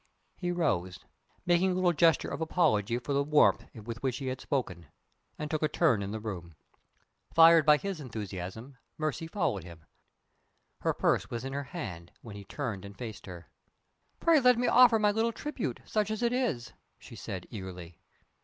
He rose making a little gesture of apology for the warmth with which he had spoken and took a turn in the room. Fired by his enthusiasm, Mercy followed him. Her purse was in her hand, when he turned and faced her. "Pray let me offer my little tribute such as it is!" she said, eagerly.